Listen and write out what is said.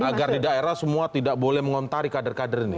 agar di daerah semua tidak boleh mengontari kader kader ini